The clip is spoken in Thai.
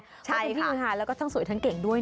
พวกเขาอยู่ที่ภาษาธรรมมันก็ทำสวยทั้งเก่งด้วยนะ